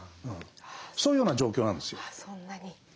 そういうような状況なんですよ。